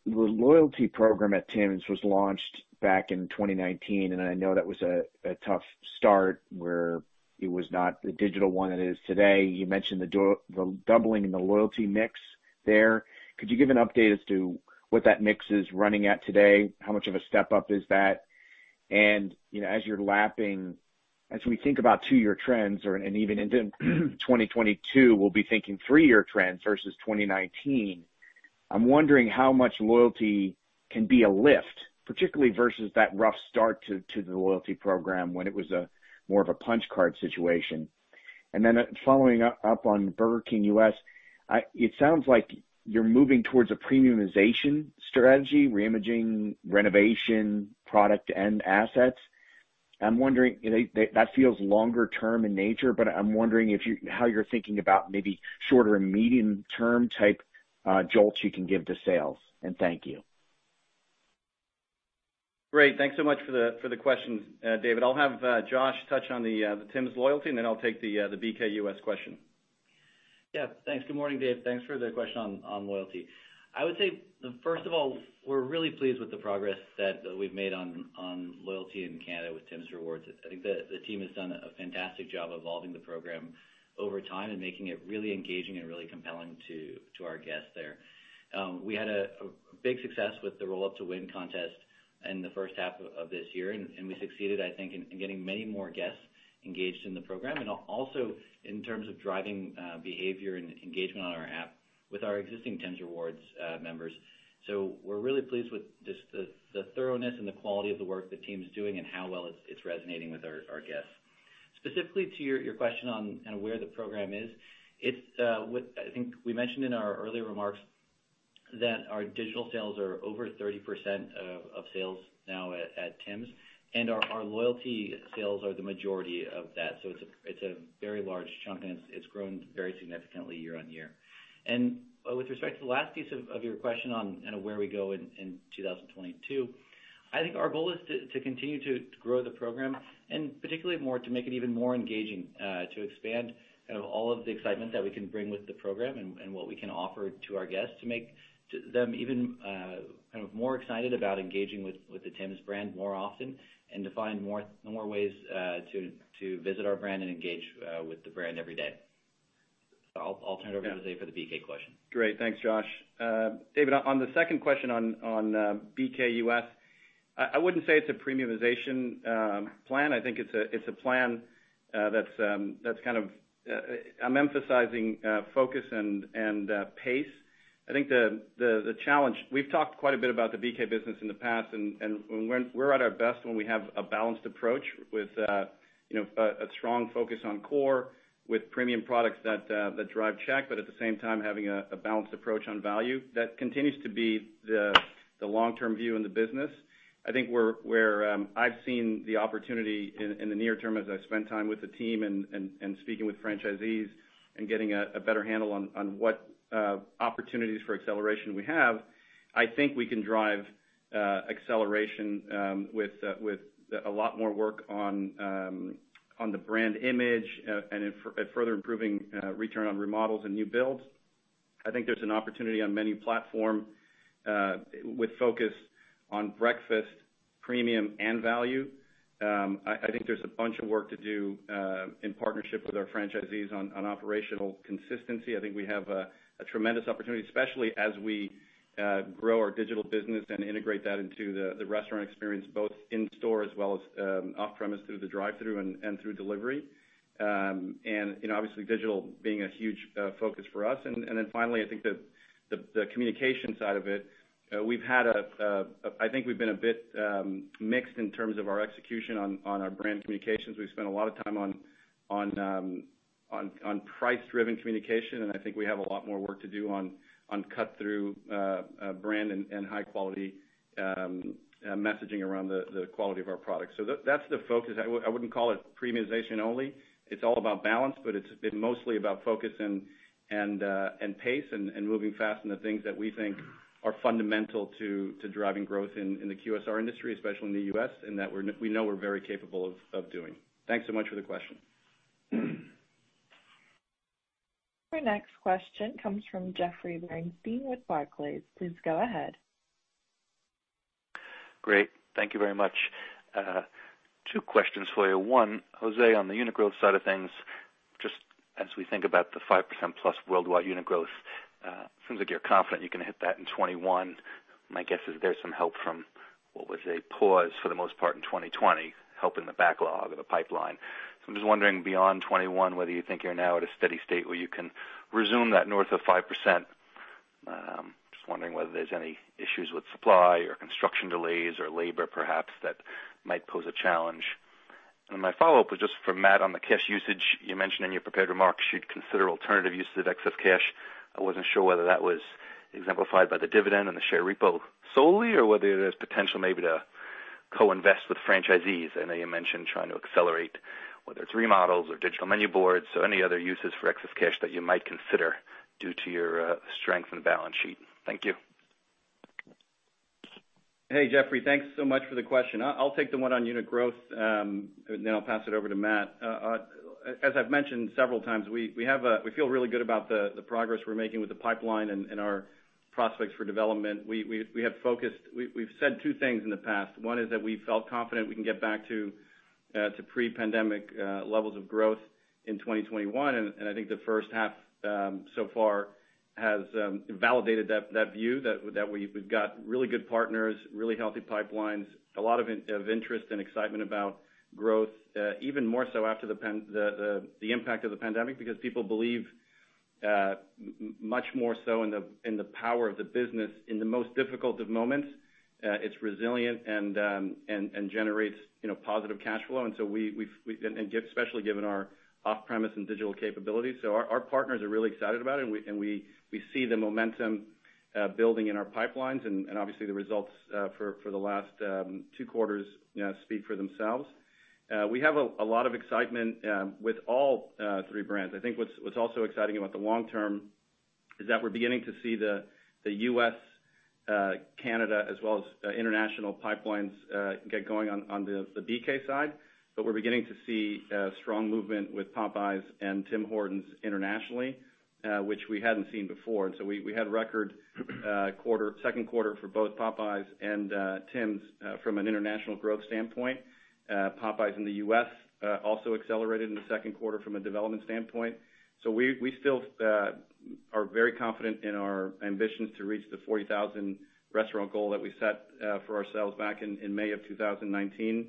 loyalty program at Tims was launched back in 2019, and I know that was a tough start where it was not the digital one it is today. You mentioned the doubling in the loyalty mix there. Could you give an update as to what that mix is running at today? How much of a step up is that? As you're lapping, as we think about two-year trends, and even into 2022, we'll be thinking three-year trends versus 2019. I'm wondering how much loyalty can be a lift, particularly versus that rough start to the loyalty program when it was more of a punch card situation. Following up on Burger King U.S., it sounds like you're moving towards a premiumization strategy, reimaging, renovation, product, and assets. That feels longer term in nature, but I'm wondering how you're thinking about maybe shorter and medium term type jolts you can give to sales, and thank you. Great. Thanks so much for the questions, David. I'll have Josh touch on the Tim's loyalty, and then I'll take the BK U.S. question. Yeah. Thanks. Good morning, David. Thanks for the question on loyalty. I would say, first of all, we're really pleased with the progress that we've made on loyalty in Canada with Tims Rewards. I think the team has done a fantastic job evolving the program over time and making it really engaging and really compelling to our guests there. We had a big success with the Roll Up To Win contest in the first half of this year. We succeeded, I think, in getting many more guests engaged in the program, and also in terms of driving behavior and engagement on our app with our existing Tims Rewards members. We're really pleased with just the thoroughness and the quality of the work the team's doing and how well it's resonating with our guests. Specifically to your question on where the program is. I think we mentioned in our earlier remarks that our digital sales are over 30% of sales now at Tim's, and our loyalty sales are the majority of that. It's a very large chunk, and it's grown very significantly year on year. With respect to the last piece of your question on where we go in 2022, I think our goal is to continue to grow the program, and particularly more to make it even more engaging, to expand all of the excitement that we can bring with the program and what we can offer to our guests to make them even more excited about engaging with the Tim's brand more often and to find more ways to visit our brand and engage with the brand every day. I'll turn it over to José for the BK question. Great. Thanks, Josh. David, on the second question on BK U.S., I wouldn't say it's a premiumization plan. I think it's a plan I'm emphasizing focus and pace. I think. We've talked quite a bit about the BK business in the past, and we're at our best when we have a balanced approach with a strong focus on core with premium products that drive check, but at the same time, having a balanced approach on value. That continues to be the long-term view in the business. I think where I've seen the opportunity in the near term as I've spent time with the team and speaking with franchisees and getting a better handle on what opportunities for acceleration we have, I think we can drive acceleration with a lot more work on the brand image and further improving return on remodels and new builds. I think there's an opportunity on menu platform with focus on breakfast, premium, and value. I think there's a bunch of work to do in partnership with our franchisees on operational consistency. I think we have a tremendous opportunity, especially as we grow our digital business and integrate that into the restaurant experience, both in store as well as off-premise through the drive-thru and through delivery. Obviously, digital being a huge focus for us. Finally, I think the communication side of it. I think we've been a bit mixed in terms of our execution on our brand communications. We've spent a lot of time on price-driven communication, and I think we have a lot more work to do on cut-through brand and high quality messaging around the quality of our products. That's the focus. I wouldn't call it premiumization only. It's all about balance, but it's been mostly about focus and pace and moving fast on the things that we think are fundamental to driving growth in the QSR industry, especially in the U.S., and that we know we're very capable of doing. Thanks so much for the question. Our next question comes from Jeffrey Bernstein with Barclays. Please go ahead. Great. Thank you very much. Two questions for you. One, José, on the unit growth side of things. As we think about the 5% + worldwide unit growth, it seems like you're confident you can hit that in 2021. My guess is there's some help from what was a pause for the most part in 2020, help in the backlog of the pipeline. I'm just wondering, beyond 2021, whether you think you're now at a steady state where you can resume that north of 5%. Just wondering whether there's any issues with supply or construction delays or labor, perhaps, that might pose a challenge. My follow-up was just for Matt on the cash usage. You mentioned in your prepared remarks you'd consider alternative uses of excess cash. I wasn't sure whether that was exemplified by the dividend and the share repo solely, or whether there's potential maybe to co-invest with franchisees. I know you mentioned trying to accelerate, whether it's remodels or digital menu boards, or any other uses for excess cash that you might consider due to your strength in the balance sheet. Thank you. Hey, Jeffrey. Thanks so much for the question. I'll take the one on unit growth, and then I'll pass it over to Matt. As I've mentioned several times, we feel really good about the progress we're making with the pipeline and our prospects for development. We've said two things in the past. One is that we felt confident we can get back to pre-pandemic levels of growth in 2021. I think the first half so far has validated that view that we've got really good partners, really healthy pipelines, a lot of interest and excitement about growth, even more so after the impact of the pandemic, because people believe much more so in the power of the business in the most difficult of moments. It's resilient and generates positive cash flow. Especially given our off-premise and digital capabilities. Our partners are really excited about it, and we see the momentum building in our pipelines, and obviously the results for the last two quarters speak for themselves. We have a lot of excitement with all three brands. I think what's also exciting about the long term is that we're beginning to see the U.S., Canada, as well as international pipelines get going on the BK side. We're beginning to see strong movement with Popeyes and Tim Hortons internationally, which we hadn't seen before. We had a record second quarter for both Popeyes and Tims from an international growth standpoint. Popeyes in the U.S. also accelerated in the second quarter from a development standpoint. We still are very confident in our ambitions to reach the 40,000 restaurant goal that we set for ourselves back in May of 2019.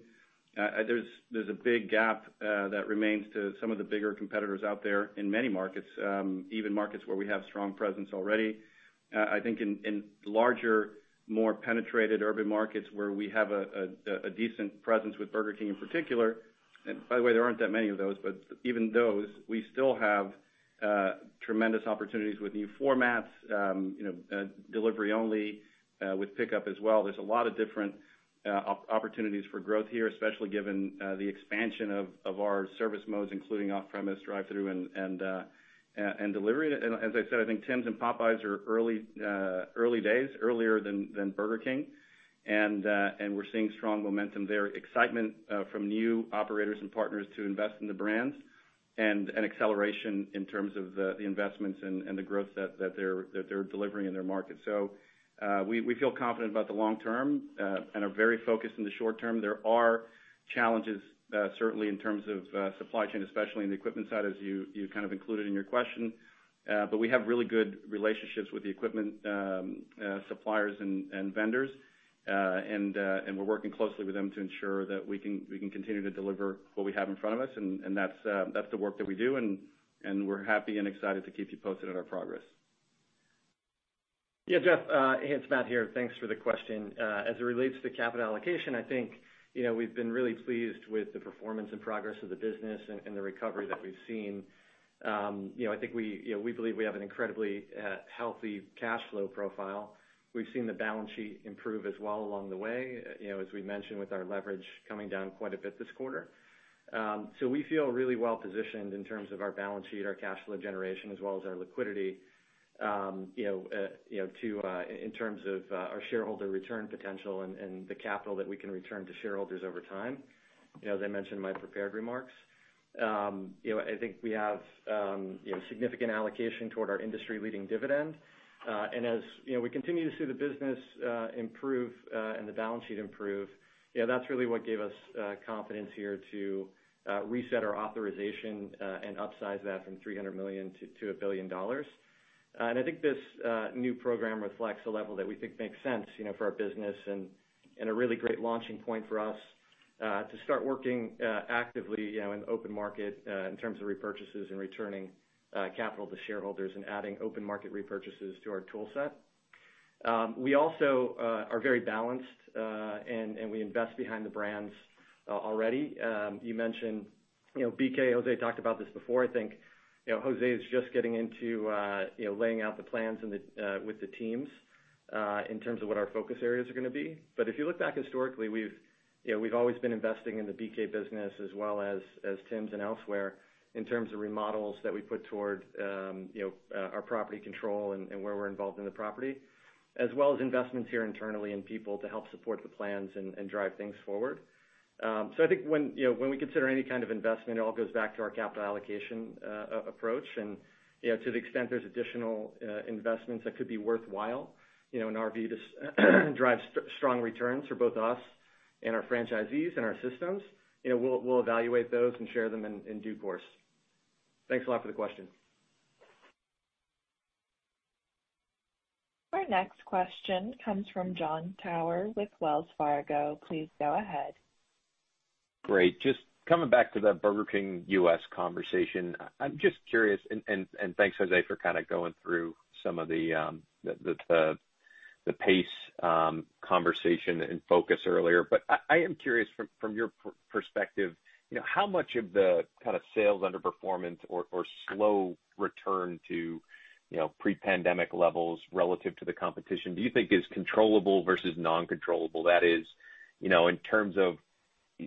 There's a big gap that remains to some of the bigger competitors out there in many markets, even markets where we have a strong presence already. I think in larger, more penetrated urban markets where we have a decent presence with Burger King in particular, and by the way, there aren't that many of those, but even those, we still have tremendous opportunities with new formats, delivery only, with pickup as well. There's a lot of different opportunities for growth here, especially given the expansion of our service modes, including off-premise, drive-thru, and delivery. As I said, I think Tims and Popeyes are early days, earlier than Burger King. We're seeing strong momentum there, excitement from new operators and partners to invest in the brands, and an acceleration in terms of the investments and the growth that they're delivering in their market. We feel confident about the long term and are very focused in the short term. There are challenges, certainly in terms of supply chain, especially in the equipment side, as you kind of included in your question. We have really good relationships with the equipment suppliers and vendors, and we're working closely with them to ensure that we can continue to deliver what we have in front of us, and that's the work that we do, and we're happy and excited to keep you posted on our progress. Yeah, Jeff, hey, it's Matt here. Thanks for the question. As it relates to capital allocation, I think we've been really pleased with the performance and progress of the business and the recovery that we've seen. I think we believe we have an incredibly healthy cash flow profile. We've seen the balance sheet improve as well along the way, as we mentioned, with our leverage coming down quite a bit this quarter. We feel really well positioned in terms of our balance sheet, our cash flow generation, as well as our liquidity in terms of our shareholder return potential and the capital that we can return to shareholders over time, as I mentioned in my prepared remarks. I think we have significant allocation toward our industry-leading dividend. As we continue to see the business improve and the balance sheet improve, that's really what gave us confidence here to reset our authorization and upsize that from $300 million-$1 billion. I think this new program reflects a level that we think makes sense for our business and a really great launching point for us to start working actively in the open market in terms of repurchases and returning capital to shareholders and adding open market repurchases to our tool set. We also are very balanced, and we invest behind the brands already. You mentioned BK. José talked about this before. I think José is just getting into laying out the plans with the teams in terms of what our focus areas are going to be. If you look back historically, we've always been investing in the BK business as well as Tim and elsewhere in terms of remodels that we put toward our property control and where we're involved in the property, as well as investments here internally in people to help support the plans and drive things forward. I think when we consider any kind of investment, it all goes back to our capital allocation approach. To the extent there's additional investments that could be worthwhile in our view to drive strong returns for both us Our franchisees and our systems, we'll evaluate those and share them in due course. Thanks a lot for the question. Our next question comes from Jon Tower with Wells Fargo. Please go ahead. Great. Just coming back to that Burger King U.S. conversation. I'm just curious, and thanks, José, for going through some of the pace conversation and focus earlier. I am curious from your perspective, how much of the sales underperformance or slow return to pre-pandemic levels relative to the competition do you think is controllable versus non-controllable? That is, in terms of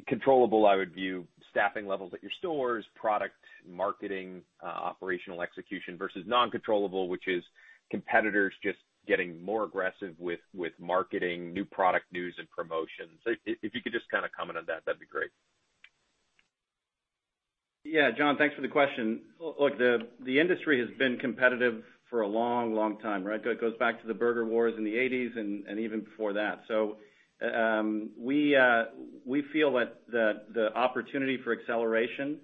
controllable, I would view staffing levels at your stores, product marketing, operational execution, versus non-controllable, which is competitors just getting more aggressive with marketing, new product news, and promotions. If you could just comment on that'd be great. Jon, thanks for the question. The industry has been competitive for a long time, right? It goes back to the burger wars in the 1980s and even before that. We feel that the opportunity for acceleration,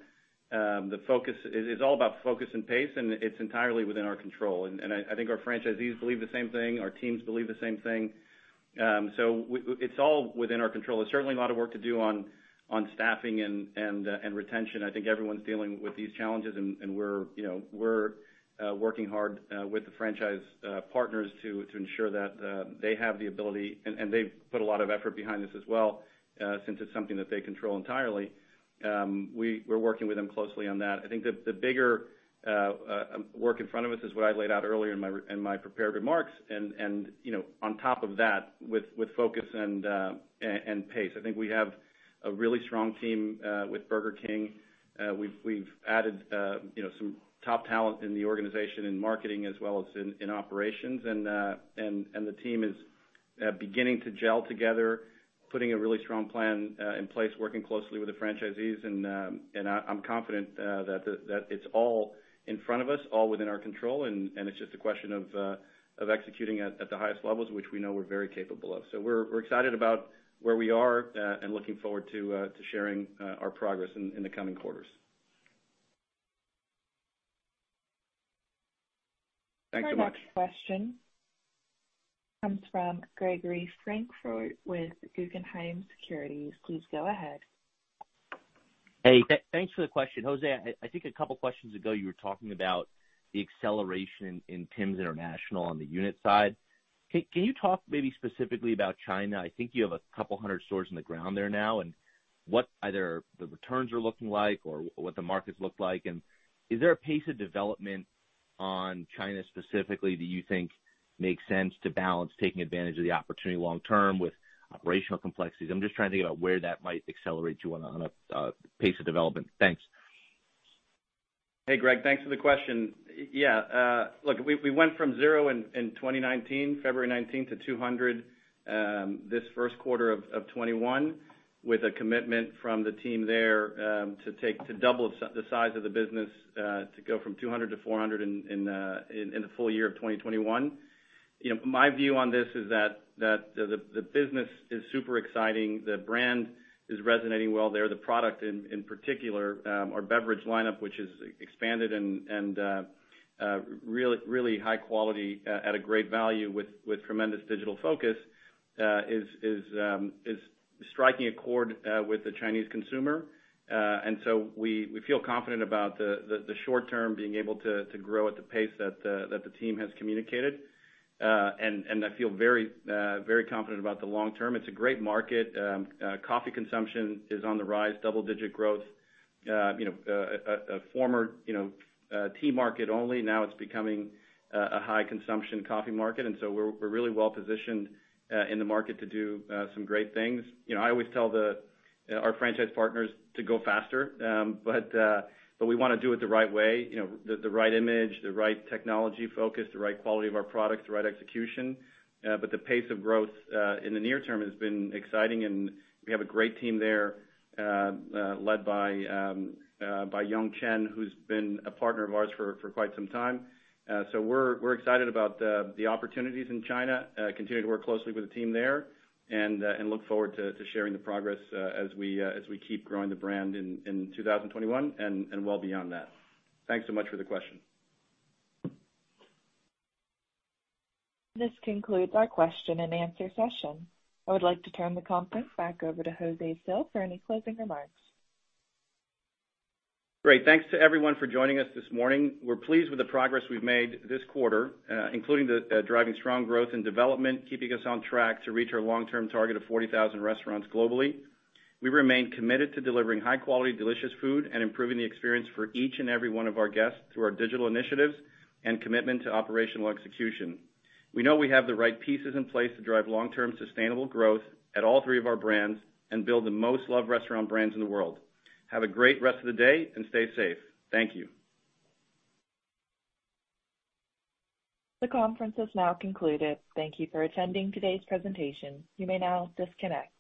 it's all about focus and pace, and it's entirely within our control. I think our franchisees believe the same thing. Our teams believe the same thing. It's all within our control. There's certainly a lot of work to do on staffing and retention. I think everyone's dealing with these challenges, and we're working hard with the franchise partners to ensure that they have the ability, and they've put a lot of effort behind this as well, since it's something that they control entirely. We're working with them closely on that. I think the bigger work in front of us is what I laid out earlier in my prepared remarks and on top of that, with focus and pace. I think we have a really strong team with Burger King. We've added some top talent in the organization in marketing as well as in operations. The team is beginning to gel together, putting a really strong plan in place, working closely with the franchisees. I'm confident that it's all in front of us, all within our control. It's just a question of executing at the highest levels, which we know we're very capable of. We're excited about where we are and looking forward to sharing our progress in the coming quarters. Thanks so much. Our next question comes from Gregory Francfort with Guggenheim Securities. Please go ahead. Hey, thanks for the question. José, I think a couple of questions ago, you were talking about the acceleration in Tim's international on the unit side. Can you talk maybe specifically about China? I think you have 200 stores in the ground there now, and what either the returns are looking like or what the markets look like. Is there a pace of development on China specifically that you think makes sense to balance taking advantage of the opportunity long term with operational complexities? I'm just trying to think about where that might accelerate you on a pace of development. Thanks. Hey, Greg. Thanks for the question. Yeah. Look, we went from zero in 2019, February 2019, to 200 this first quarter of 2021, with a commitment from the team there to double the size of the business to go from 200-400 in the full year of 2021. My view on this is that the business is super exciting. The brand is resonating well there. The product in particular, our beverage lineup, which has expanded and really high quality at a great value with tremendous digital focus, is striking a chord with the Chinese consumer. We feel confident about the short term being able to grow at the pace that the team has communicated. I feel very confident about the long term. It's a great market. Coffee consumption is on the rise, double-digit growth. A former tea market only, now it's becoming a high consumption coffee market, and so we're really well positioned in the market to do some great things. I always tell our franchise partners to go faster, but we want to do it the right way, the right image, the right technology focus, the right quality of our products, the right execution. The pace of growth in the near term has been exciting, and we have a great team there led by Yongchen Lu, who's been a partner of ours for quite some time. We're excited about the opportunities in China, continue to work closely with the team there, and look forward to sharing the progress as we keep growing the brand in 2021 and well beyond that. Thanks so much for the question. This concludes our question and answer session. I would like to turn the conference back over to José Cil for any closing remarks. Great. Thanks to everyone for joining us this morning. We're pleased with the progress we've made this quarter, including the driving strong growth and development, keeping us on track to reach our long-term target of 40,000 restaurants globally. We remain committed to delivering high quality, delicious food and improving the experience for each and every one of our guests through our digital initiatives and commitment to operational execution. We know we have the right pieces in place to drive long-term sustainable growth at all three of our brands and build the most loved restaurant brands in the world. Have a great rest of the day, and stay safe. Thank you. The conference is now concluded. Thank you for attending today's presentation. You may now disconnect.